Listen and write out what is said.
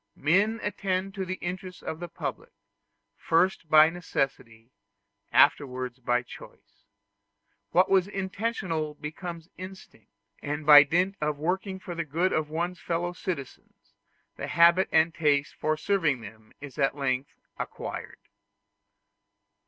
Men attend to the interests of the public, first by necessity, afterwards by choice: what was intentional becomes an instinct; and by dint of working for the good of one's fellow citizens, the habit and the taste for serving them is at length acquired.